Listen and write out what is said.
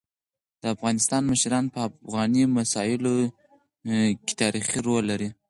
د افغانستان مشران په افغاني مسايلو کيتاریخي رول لري.